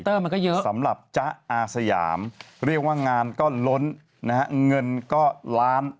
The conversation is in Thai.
ปีช้าสามารถจะอาศาสยามเรียกว่างานก็ล้นนะเห็นก็ล้าน